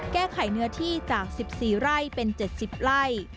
แก้ไขเนื้อที่จาก๑๔ไร่เป็น๗๐ไร่